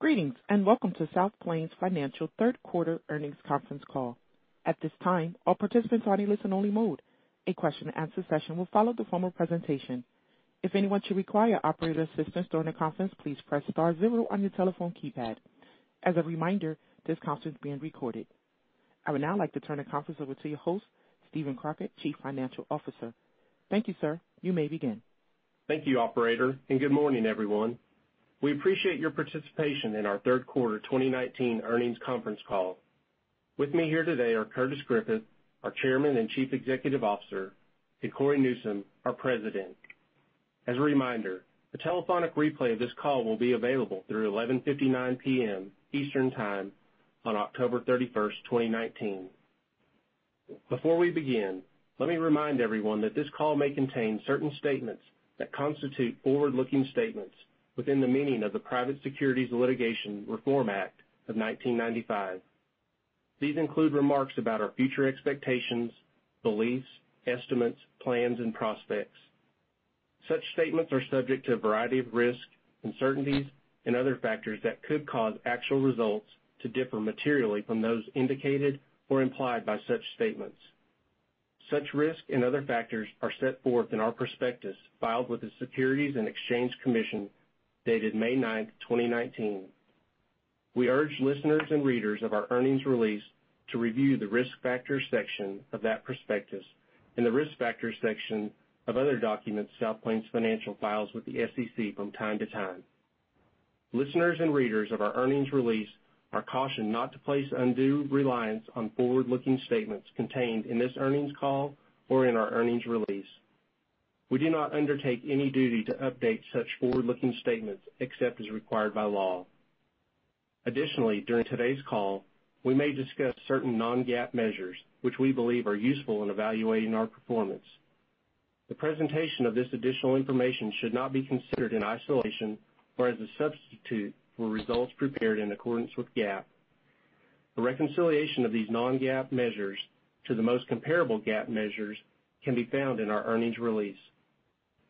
Greetings, and welcome to South Plains Financial third quarter earnings conference call. At this time, all participants are in listen only mode. A question and answer session will follow the formal presentation. If anyone should require operator assistance during the conference, please press star zero on your telephone keypad. As a reminder, this conference is being recorded. I would now like to turn the conference over to your host, Steven Crockett, Chief Financial Officer. Thank you, sir. You may begin. Thank you, operator, and good morning, everyone. We appreciate your participation in our third quarter 2019 earnings conference call. With me here today are Curtis Griffith, our Chairman and Chief Executive Officer, and Cory Newsom, our President. As a reminder, a telephonic replay of this call will be available through 11:59 P.M. Eastern Time on October 31st, 2019. Before we begin, let me remind everyone that this call may contain certain statements that constitute forward-looking statements within the meaning of the Private Securities Litigation Reform Act of 1995. These include remarks about our future expectations, beliefs, estimates, plans, and prospects. Such statements are subject to a variety of risks, uncertainties, and other factors that could cause actual results to differ materially from those indicated or implied by such statements. Such risks and other factors are set forth in our prospectus filed with the Securities and Exchange Commission, dated May ninth, 2019. We urge listeners and readers of our earnings release to review the Risk Factors section of that prospectus and the Risk Factors section of other documents South Plains Financial files with the SEC from time to time. Listeners and readers of our earnings release are cautioned not to place undue reliance on forward-looking statements contained in this earnings call or in our earnings release. We do not undertake any duty to update such forward-looking statements except as required by law. Additionally, during today's call, we may discuss certain non-GAAP measures which we believe are useful in evaluating our performance. The presentation of this additional information should not be considered in isolation or as a substitute for results prepared in accordance with GAAP. A reconciliation of these non-GAAP measures to the most comparable GAAP measures can be found in our earnings release.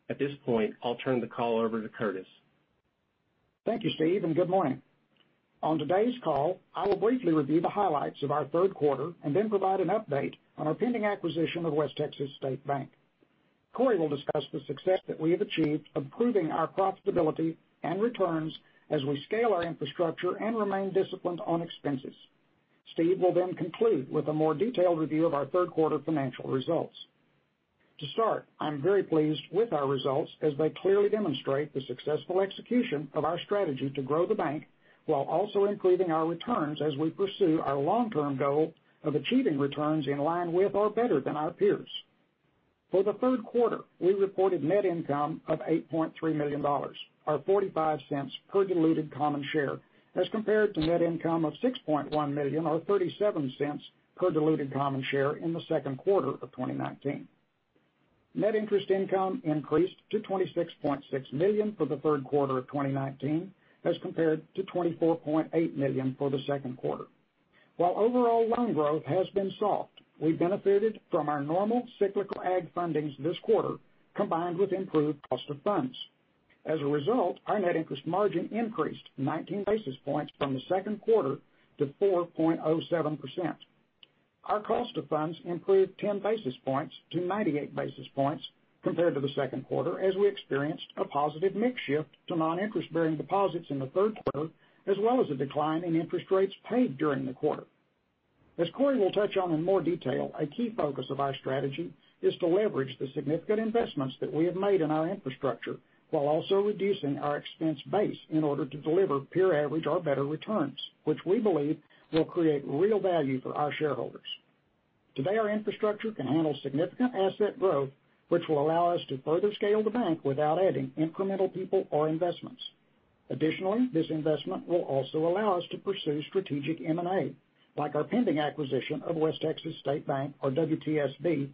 At this point, I'll turn the call over to Curtis. Thank you, Steve, and good morning. On today's call, I will briefly review the highlights of our third quarter and then provide an update on our pending acquisition of West Texas State Bank. Cory will discuss the success that we have achieved improving our profitability and returns as we scale our infrastructure and remain disciplined on expenses. Steve will then conclude with a more detailed review of our third quarter financial results. To start, I'm very pleased with our results as they clearly demonstrate the successful execution of our strategy to grow the bank while also improving our returns as we pursue our long-term goal of achieving returns in line with or better than our peers. For the third quarter, we reported net income of $8.3 million, or $0.45 per diluted common share, as compared to net income of $6.1 million, or $0.37 per diluted common share in the second quarter of 2019. Net interest income increased to $26.6 million for the third quarter of 2019 as compared to $24.8 million for the second quarter. While overall loan growth has been soft, we benefited from our normal cyclical ag fundings this quarter, combined with improved cost of funds. As a result, our net interest margin increased 19 basis points from the second quarter to 4.07%. Our cost of funds improved 10 basis points to 98 basis points compared to the second quarter as we experienced a positive mix shift to non-interest-bearing deposits in the third quarter, as well as a decline in interest rates paid during the quarter. As Cory will touch on in more detail, a key focus of our strategy is to leverage the significant investments that we have made in our infrastructure while also reducing our expense base in order to deliver peer average or better returns, which we believe will create real value for our shareholders. Today, our infrastructure can handle significant asset growth, which will allow us to further scale the bank without adding incremental people or investments. Additionally, this investment will also allow us to pursue strategic M&A, like our pending acquisition of West Texas State Bank, or WTSB,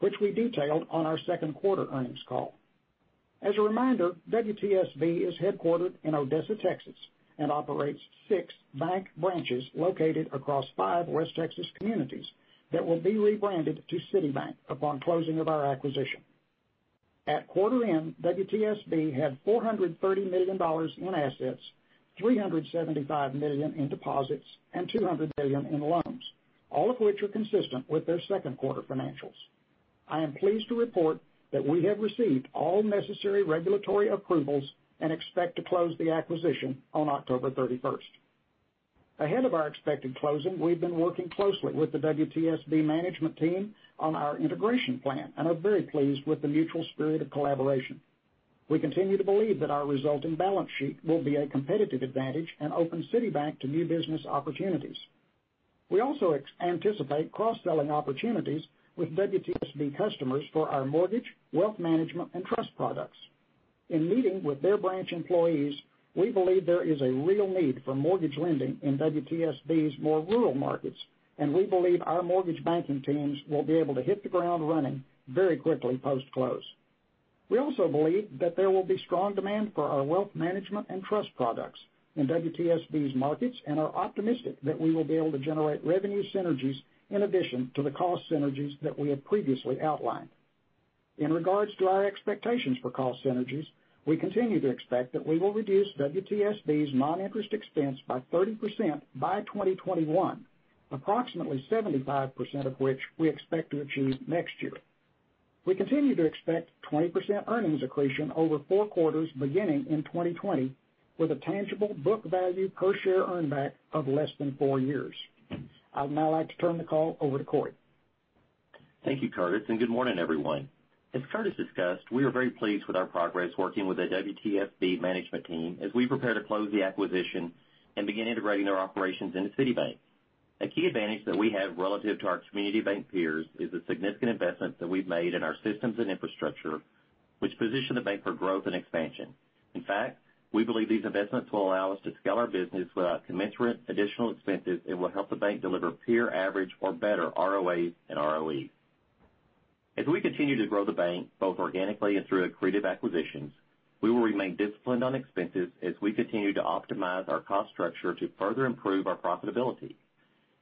which we detailed on our second quarter earnings call. As a reminder, WTSB is headquartered in Odessa, Texas, and operates six bank branches located across five West Texas communities that will be rebranded to City Bank upon closing of our acquisition. At quarter end, WTSB had $430 million in assets, $375 million in deposits, and $200 million in loans, all of which are consistent with their second quarter financials. I am pleased to report that we have received all necessary regulatory approvals and expect to close the acquisition on October 31st. Ahead of our expected closing, we've been working closely with the WTSB management team on our integration plan and are very pleased with the mutual spirit of collaboration. We continue to believe that our resulting balance sheet will be a competitive advantage and open City Bank to new business opportunities. We also anticipate cross-selling opportunities with WTSB customers for our mortgage, wealth management, and trust products. In meeting with their branch employees, we believe there is a real need for mortgage lending in WTSB's more rural markets, and we believe our mortgage banking teams will be able to hit the ground running very quickly post-close. We also believe that there will be strong demand for our wealth management and trust products in WTSB's markets and are optimistic that we will be able to generate revenue synergies in addition to the cost synergies that we have previously outlined. In regards to our expectations for cost synergies, we continue to expect that we will reduce WTSB's non-interest expense by 30% by 2021, approximately 75% of which we expect to achieve next year. We continue to expect 20% earnings accretion over four quarters beginning in 2020, with a tangible book value per share earn back of less than four years. I'd now like to turn the call over to Cory. Thank you, Curtis, and good morning, everyone. As Curtis discussed, we are very pleased with our progress working with the WTSB management team as we prepare to close the acquisition and begin integrating their operations into City Bank. A key advantage that we have relative to our community bank peers is the significant investment that we've made in our systems and infrastructure, which position the bank for growth and expansion. In fact, we believe these investments will allow us to scale our business without commensurate additional expenses and will help the bank deliver peer average or better ROAs and ROEs. As we continue to grow the bank, both organically and through accretive acquisitions, we will remain disciplined on expenses as we continue to optimize our cost structure to further improve our profitability.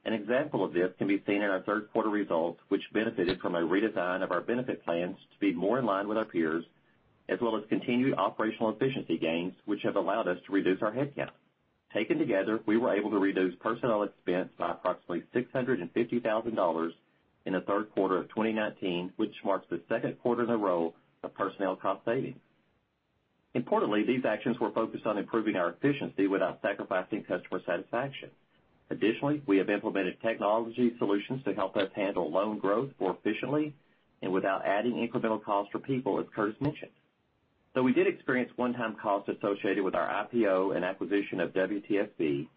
An example of this can be seen in our third quarter results, which benefited from a redesign of our benefit plans to be more in line with our peers, as well as continued operational efficiency gains, which have allowed us to reduce our headcount. Taken together, we were able to reduce personnel expense by approximately $650,000 in the third quarter of 2019, which marks the second quarter in a row of personnel cost savings. Importantly, these actions were focused on improving our efficiency without sacrificing customer satisfaction. Additionally, we have implemented technology solutions to help us handle loan growth more efficiently and without adding incremental costs for people, as Curtis mentioned. Though we did experience one-time costs associated with our IPO and acquisition of WTSB,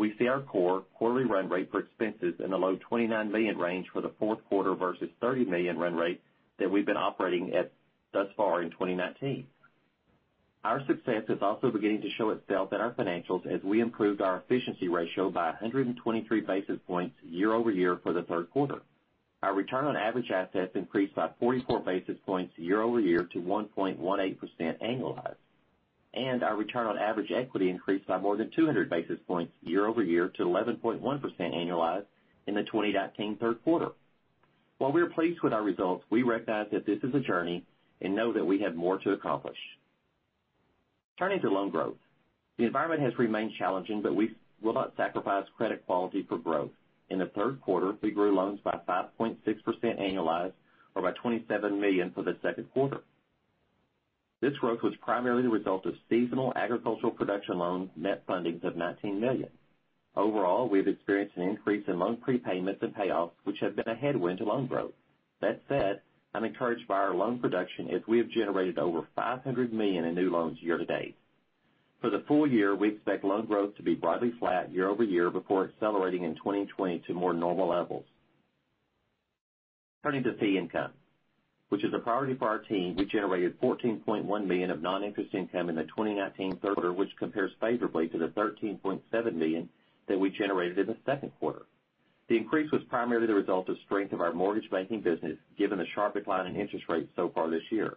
we see our core quarterly run rate for expenses in the low $29 million range for the fourth quarter versus $30 million run rate that we've been operating at thus far in 2019. Our success is also beginning to show itself in our financials as we improved our efficiency ratio by 123 basis points year-over-year for the third quarter. Our return on average assets increased by 44 basis points year-over-year to 1.18% annualized. Our return on average equity increased by more than 200 basis points year-over-year to 11.1% annualized in the 2019 third quarter. While we are pleased with our results, we recognize that this is a journey, and know that we have more to accomplish. Turning to loan growth, the environment has remained challenging, but we will not sacrifice credit quality for growth. In the third quarter, we grew loans by 5.6% annualized or by $27 million for the second quarter. This growth was primarily the result of seasonal agricultural production loans net fundings of $19 million. Overall, we've experienced an increase in loan prepayments and payoffs, which have been a headwind to loan growth. That said, I'm encouraged by our loan production as we have generated over $500 million in new loans year to date. For the full year, we expect loan growth to be broadly flat year-over-year before accelerating in 2020 to more normal levels. Turning to fee income, which is a priority for our team, we generated $14.1 million of non-interest income in the 2019 third quarter, which compares favorably to the $13.7 million that we generated in the second quarter. The increase was primarily the result of strength of our mortgage banking business, given the sharp decline in interest rates so far this year.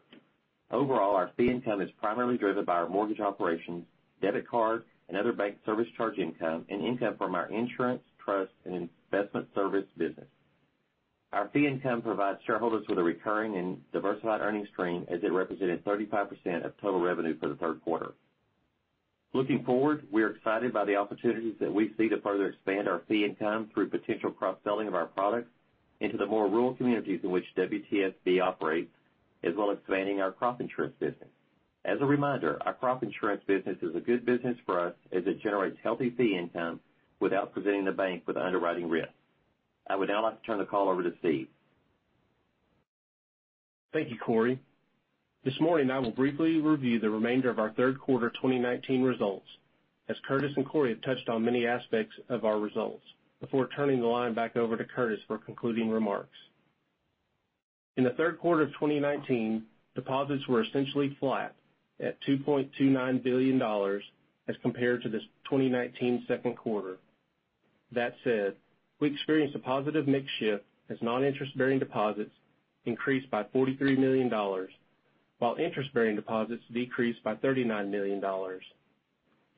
Overall, our fee income is primarily driven by our mortgage operations, debit card, and other bank service charge income and income from our insurance, trust, and investment service business. Our fee income provides shareholders with a recurring and diversified earnings stream as it represented 35% of total revenue for the third quarter. Looking forward, we are excited by the opportunities that we see to further expand our fee income through potential cross-selling of our products into the more rural communities in which WTSB operates, as well as expanding our crop insurance business. As a reminder, our crop insurance business is a good business for us as it generates healthy fee income without presenting the bank with underwriting risk. I would now like to turn the call over to Steve. Thank you, Cory. This morning, I will briefly review the remainder of our third quarter 2019 results, as Curtis and Cory have touched on many aspects of our results, before turning the line back over to Curtis for concluding remarks. In the third quarter of 2019, deposits were essentially flat at $2.29 billion as compared to the 2019 second quarter. That said, we experienced a positive mix shift as non-interest-bearing deposits increased by $43 million, while interest-bearing deposits decreased by $39 million.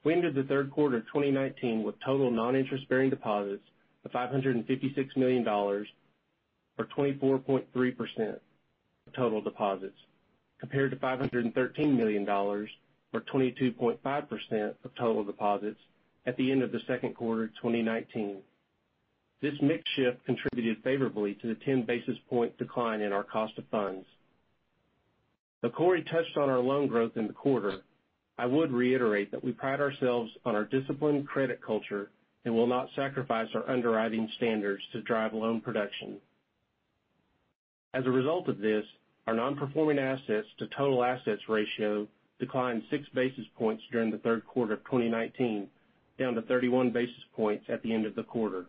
We ended the third quarter of 2019 with total non-interest-bearing deposits of $556 million, or 24.3% of total deposits, compared to $513 million, or 22.5% of total deposits at the end of the second quarter of 2019. This mix shift contributed favorably to the 10 basis point decline in our cost of funds. Though Cory touched on our loan growth in the quarter, I would reiterate that we pride ourselves on our disciplined credit culture and will not sacrifice our underwriting standards to drive loan production. As a result of this, our Non-Performing Assets to total assets ratio declined six basis points during the third quarter of 2019, down to 31 basis points at the end of the quarter.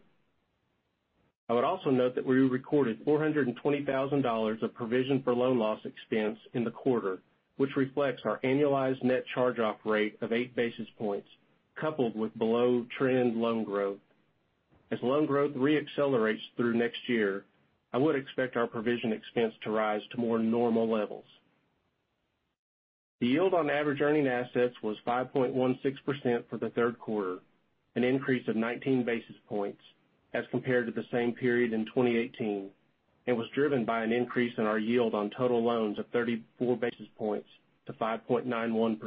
I would also note that we recorded $420,000 of provision for loan loss expense in the quarter, which reflects our annualized net charge-off rate of eight basis points, coupled with below-trend loan growth. As loan growth re-accelerates through next year, I would expect our provision expense to rise to more normal levels. The yield on average earning assets was 5.16% for the third quarter, an increase of 19 basis points as compared to the same period in 2018, and was driven by an increase in our yield on total loans of 34 basis points to 5.91%.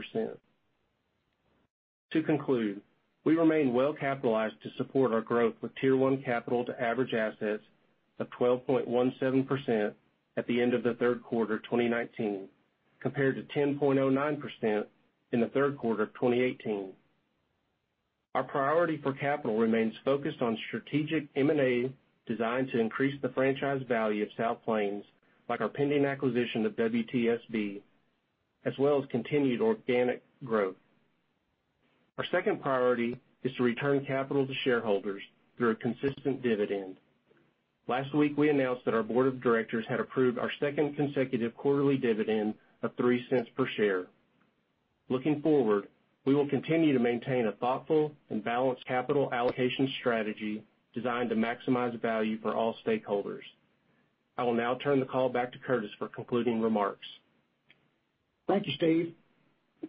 To conclude, we remain well-capitalized to support our growth with Tier 1 capital to average assets of 12.17% at the end of the third quarter 2019, compared to 10.09% in the third quarter of 2018. Our priority for capital remains focused on strategic M&A designed to increase the franchise value of South Plains, like our pending acquisition of WTSB, as well as continued organic growth. Our second priority is to return capital to shareholders through a consistent dividend. Last week, we announced that our board of directors had approved our second consecutive quarterly dividend of $0.03 per share. Looking forward, we will continue to maintain a thoughtful and balanced capital allocation strategy designed to maximize value for all stakeholders. I will now turn the call back to Curtis for concluding remarks. Thank you, Steve.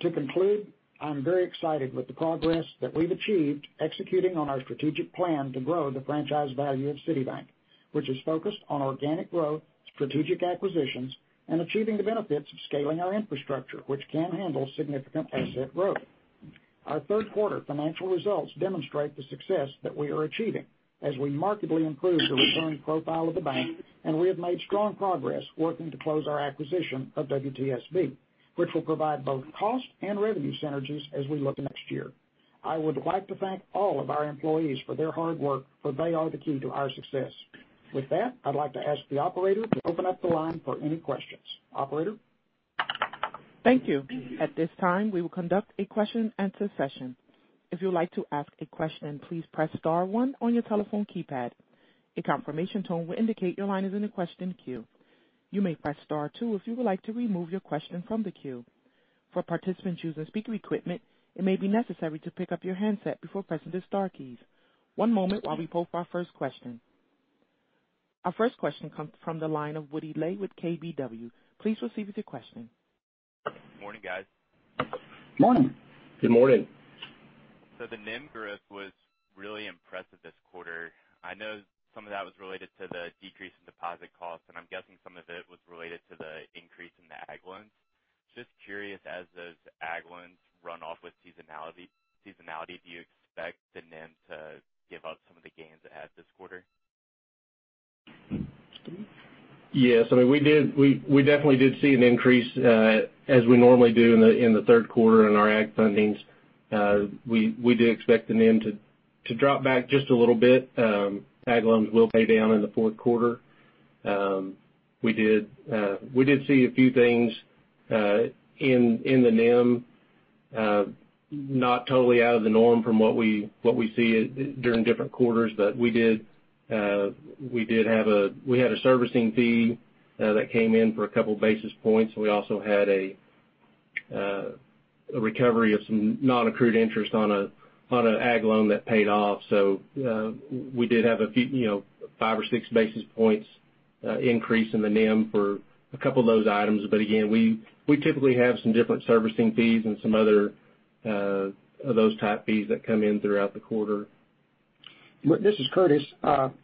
To conclude, I'm very excited with the progress that we've achieved executing on our strategic plan to grow the franchise value of City Bank, which is focused on organic growth, strategic acquisitions, and achieving the benefits of scaling our infrastructure, which can handle significant asset growth. Our third quarter financial results demonstrate the success that we are achieving as we markedly improve the return profile of the bank, and we have made strong progress working to close our acquisition of WTSB, which will provide both cost and revenue synergies as we look next year. I would like to thank all of our employees for their hard work, for they are the key to our success. With that, I'd like to ask the operator to open up the line for any questions. Operator? Thank you. At this time, we will conduct a question and answer session. If you would like to ask a question, please press star one on your telephone keypad. A confirmation tone will indicate your line is in the question queue. You may press star two if you would like to remove your question from the queue. For participants using speaker equipment, it may be necessary to pick up your handset before pressing the star keys. One moment while we poll for our first question. Our first question comes from the line of Woody Lay with KBW. Please proceed with your question. Morning, guys. Morning. Good morning. The NIM growth was really impressive this quarter. I know some of that was related to the decrease in deposit costs, and I'm guessing some of it was related to the increase in the ag loans. Just curious, as those ag loans run off with seasonality, do you expect the NIM to give up some of the gains it had this quarter? Yes. We definitely did see an increase, as we normally do in the third quarter in our ag fundings. We do expect the NIM to drop back just a little bit. Ag loans will pay down in the fourth quarter. We did see a few things in the NIM, not totally out of the norm from what we see during different quarters. We had a servicing fee that came in for a couple basis points. We also had a recovery of some non-accrued interest on an ag loan that paid off. We did have five or six basis points increase in the NIM for a couple of those items. Again, we typically have some different servicing fees and some other of those type fees that come in throughout the quarter. This is Curtis.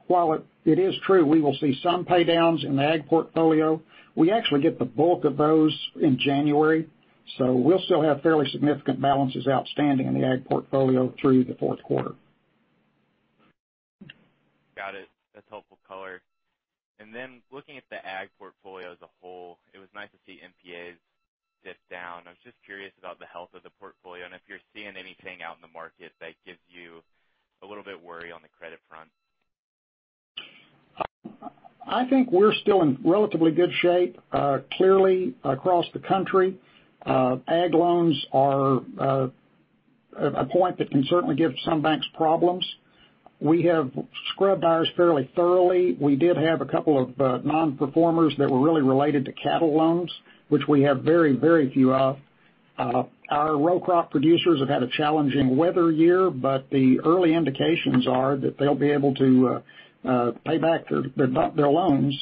While it is true we will see some pay downs in the ag portfolio, we actually get the bulk of those in January, so we'll still have fairly significant balances outstanding in the ag portfolio through the fourth quarter. Got it. That's helpful color. Looking at the ag portfolio as a whole, it was nice to see NPAs dip down. I was just curious about the health of the portfolio and if you're seeing anything out in the market that gives you a little bit worry on the credit front. I think we're still in relatively good shape. Clearly, across the country, ag loans are at a point that can certainly give some banks problems. We have scrubbed ours fairly thoroughly. We did have a couple of Non-Performers that were really related to cattle loans, which we have very, very few of. Our row crop producers have had a challenging weather year, but the early indications are that they'll be able to pay back their loans.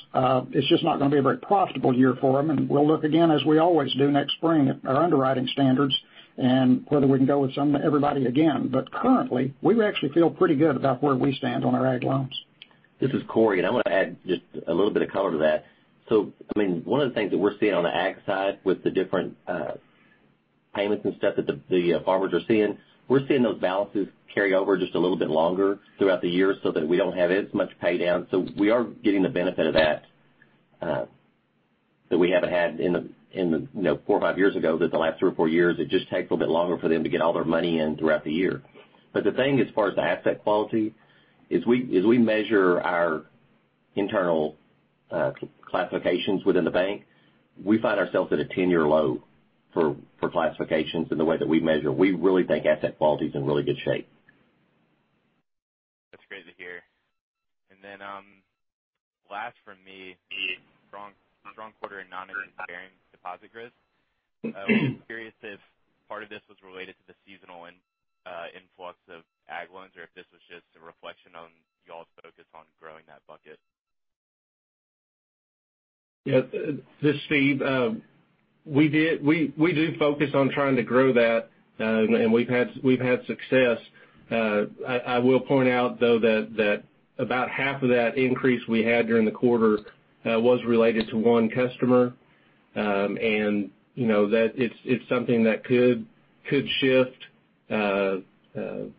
It's just not going to be a very profitable year for them, and we'll look again, as we always do, next spring at our underwriting standards and whether we can go with everybody again. Currently, we actually feel pretty good about where we stand on our ag loans. This is Cory, I want to add just a little bit of color to that. One of the things that we're seeing on the ag side with the different payments and stuff that the farmers are seeing, we're seeing those balances carry over just a little bit longer throughout the year so that we don't have as much pay down. We are getting the benefit of that we haven't had four or five years ago, but the last three or four years, it just takes a little bit longer for them to get all their money in throughout the year. The thing, as far as the asset quality, as we measure our internal classifications within the bank, we find ourselves at a 10-year low for classifications in the way that we measure. We really think asset quality is in really good shape. That's great to hear. Last from me, strong quarter in non-interest bearing deposit growth. I was just curious if part of this was related to the seasonal influx of ag loans or if this was just a reflection on y'all's focus on growing that bucket. Yeah. This is Steve. We do focus on trying to grow that, and we've had success. I will point out, though, that about half of that increase we had during the quarter was related to one customer, and it's something that could shift into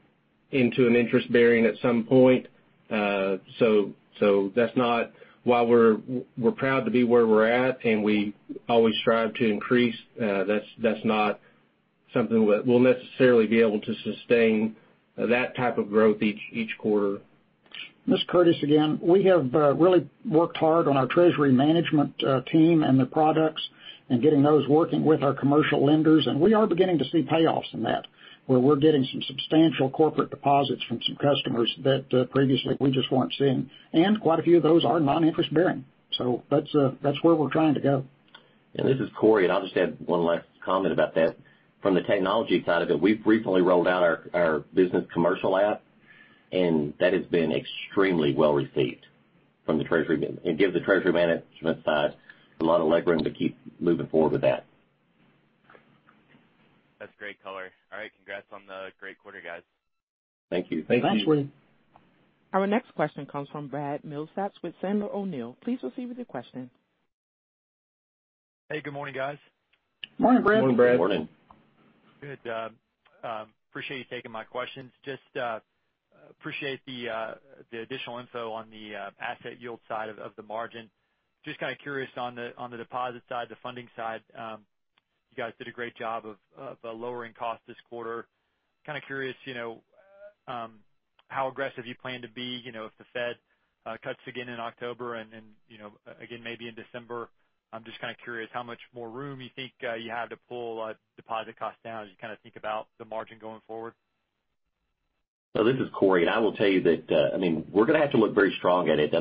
an interest bearing at some point. While we're proud to be where we're at, and we always strive to increase, that's not something that we'll necessarily be able to sustain that type of growth each quarter. This is Curtis again. We have really worked hard on our treasury management team and the products and getting those working with our commercial lenders, and we are beginning to see payoffs in that, where we're getting some substantial corporate deposits from some customers that previously we just weren't seeing. Quite a few of those are non-interest bearing. That's where we're trying to go. This is Cory, and I'll just add one last comment about that. From the technology side of it, we've recently rolled out our business commercial app, and that has been extremely well received from the treasury, and gives the treasury management side a lot of legroom to keep moving forward with that. That's great color. All right. Congrats on the great quarter, guys. Thank you. Thank you. Thanks. Our next question comes from Brad Milsaps with Sandler O'Neill. Please proceed with your question. Hey, good morning, guys. Morning, Brad. Morning, Brad. Morning. Good. Appreciate you taking my questions. Appreciate the additional info on the asset yield side of the margin. Kind of curious on the deposit side, the funding side, you guys did a great job of lowering cost this quarter. Kind of curious, how aggressive you plan to be if the Fed cuts again in October and again, maybe in December. I'm just kind of curious how much more room you think you have to pull deposit costs down as you think about the margin going forward. This is Cory, and I will tell you that, we're going to have to look very strong at it.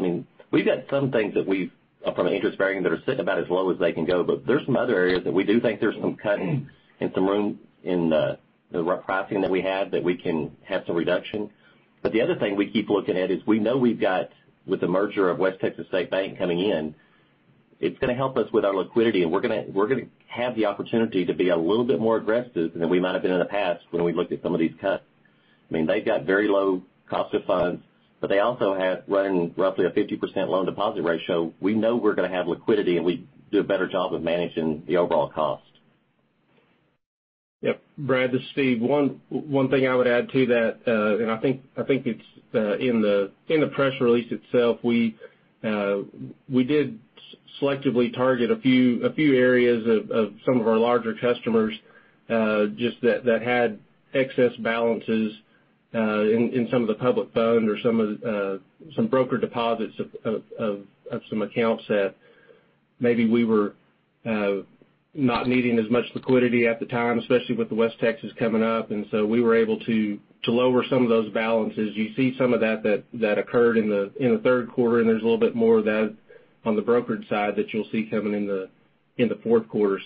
We've got some things from the interest bearing that are sitting about as low as they can go, but there's some other areas that we do think there's some cutting and some room in the rough pricing that we had that we can have some reduction. The other thing we keep looking at is we know we've got, with the merger of West Texas State Bank coming in, it's going to help us with our liquidity, and we're going to have the opportunity to be a little bit more aggressive than we might have been in the past when we looked at some of these cuts. They've got very low cost of funds, but they also run roughly a 50% loan deposit ratio. We know we're going to have liquidity. We do a better job of managing the overall cost. Yep. Brad, this is Steve. One thing I would add to that, and I think it's in the press release itself, we did selectively target a few areas of some of our larger customers, just that had excess balances in some of the public funds or some broker deposits of some accounts that maybe we were not needing as much liquidity at the time, especially with the West Texas coming up. We were able to lower some of those balances. You see some of that occurred in the third quarter. There's a little bit more of that on the brokerage side that you'll see coming in the fourth quarter.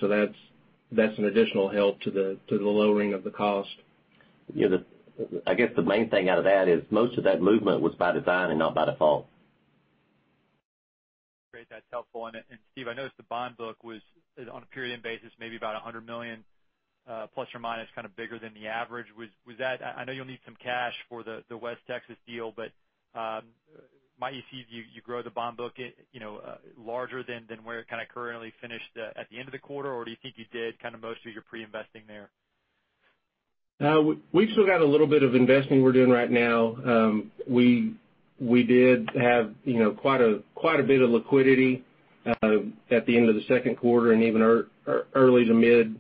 That's an additional help to the lowering of the cost. I guess the main thing out of that is most of that movement was by design and not by default. Great. That's helpful. Steve, I noticed the bond book was on a period end basis, maybe about $100 million, plus or minus, kind of bigger than the average. I know you'll need some cash for the West Texas deal, but might you see you grow the bond book larger than where it kind of currently finished at the end of the quarter? Or do you think you did most of your pre-investing there? We've still got a little bit of investing we're doing right now. We did have quite a bit of liquidity at the end of the second quarter and even early to mid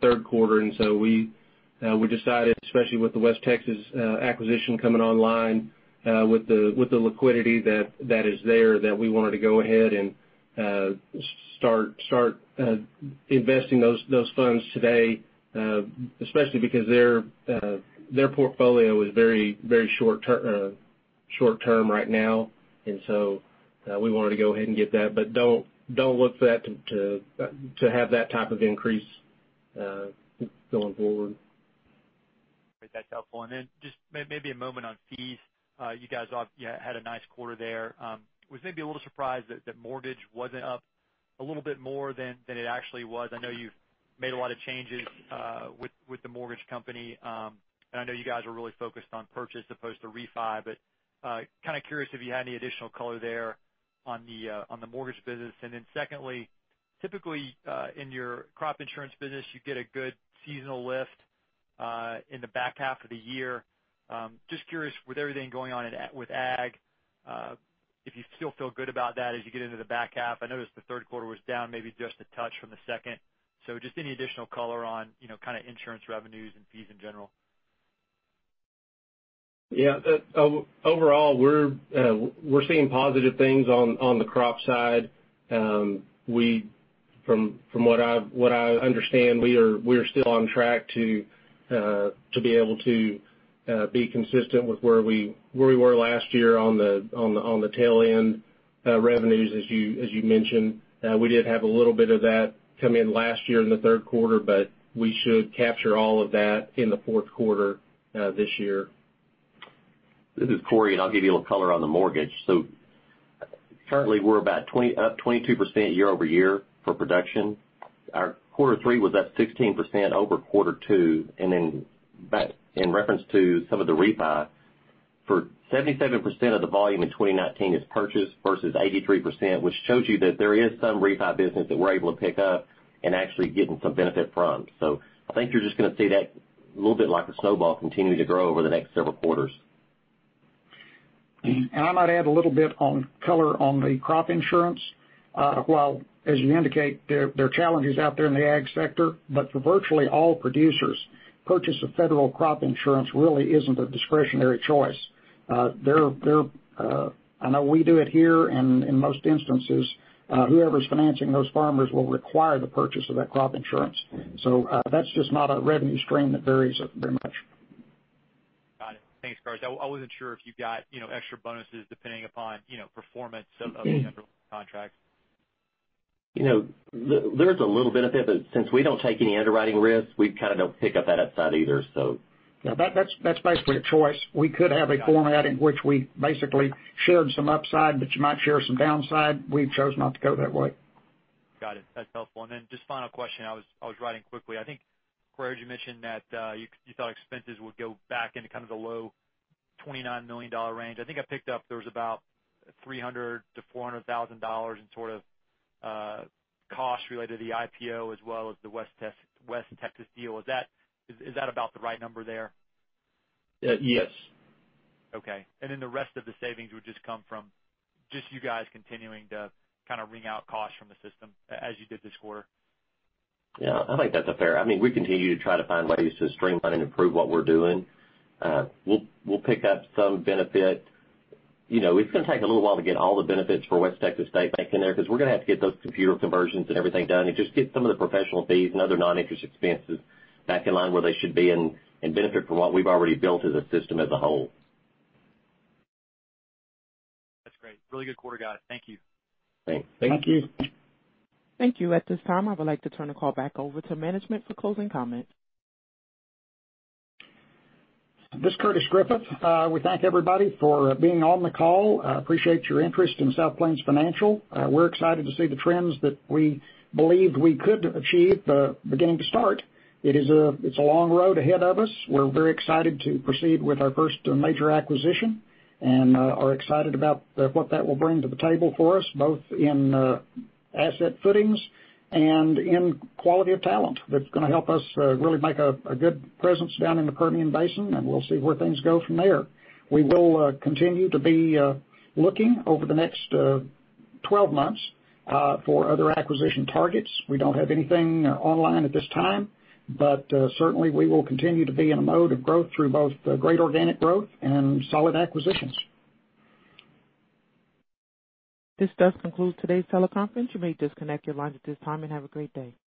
third quarter. We decided, especially with the West Texas acquisition coming online, with the liquidity that is there, that we wanted to go ahead and start investing those funds today, especially because their portfolio is very short term right now. We wanted to go ahead and get that, but don't look for that to have that type of increase going forward. Great. That's helpful. Just maybe a moment on fees. You guys had a nice quarter there. Was maybe a little surprised that mortgage wasn't up a little bit more than it actually was. I know you've made a lot of changes with the mortgage company. I know you guys are really focused on purchase as opposed to refi, kind of curious if you had any additional color there on the mortgage business. Secondly, typically, in your crop insurance business, you get a good seasonal lift in the back half of the year. Just curious, with everything going on with ag, if you still feel good about that as you get into the back half. I noticed the third quarter was down, maybe just a touch from the second. Just any additional color on insurance revenues and fees in general. Yeah. Overall, we're seeing positive things on the crop side. From what I understand, we're still on track to be able to be consistent with where we were last year on the tail end revenues, as you mentioned. We did have a little bit of that come in last year in the third quarter. We should capture all of that in the fourth quarter this year. This is Cory. I'll give you a little color on the mortgage. Currently, we're about up 22% year-over-year for production. Our Q3 was up 16% over Q2. Back in reference to some of the refi, for 77% of the volume in 2019 is purchased versus 83%, which shows you that there is some refi business that we're able to pick up and actually getting some benefit from. I think you're just going to see that a little bit like a snowball continuing to grow over the next several quarters. I might add a little bit on color on the crop insurance. While as you indicate, there are challenges out there in the ag sector, but for virtually all producers, purchase of federal crop insurance really isn't a discretionary choice. I know we do it here, and in most instances, whoever's financing those farmers will require the purchase of that crop insurance. That's just not a revenue stream that varies very much. Got it. Thanks, guys. I wasn't sure if you got extra bonuses depending upon performance of the federal contract. There's a little benefit, but since we don't take any underwriting risks, we kind of don't pick up that upside either. Yeah, that's basically a choice. We could have a format in which we basically shared some upside, but you might share some downside. We've chosen not to go that way. Got it. That's helpful. Just final question, I was writing quickly. I think, Cory, you mentioned that you thought expenses would go back into kind of the low $29 million range. I think I picked up there was about $300 thousand to $400 thousand in sort of costs related to the IPO as well as the West Texas deal. Is that about the right number there? Yes. Okay. Then the rest of the savings would just come from just you guys continuing to kind of wring out costs from the system as you did this quarter. Yeah, I think that's fair. We continue to try to find ways to streamline and improve what we're doing. We'll pick up some benefit. It's going to take a little while to get all the benefits for West Texas State Bank in there because we're going to have to get those computer conversions and everything done and just get some of the professional fees and other non-interest expenses back in line where they should be and benefit from what we've already built as a system as a whole. That's great. Really good quarter, guys. Thank you. Thanks. Thank you. Thank you. At this time, I would like to turn the call back over to management for closing comments. This is Curtis Griffith. We thank everybody for being on the call. I appreciate your interest in South Plains Financial. We're excited to see the trends that we believed we could achieve beginning to start. It's a long road ahead of us. We're very excited to proceed with our first major acquisition and are excited about what that will bring to the table for us, both in asset footings and in quality of talent. That's going to help us really make a good presence down in the Permian Basin, and we'll see where things go from there. We will continue to be looking over the next 12 months for other acquisition targets. We don't have anything online at this time, but certainly we will continue to be in a mode of growth through both great organic growth and solid acquisitions. This does conclude today's teleconference. You may disconnect your lines at this time, and have a great day.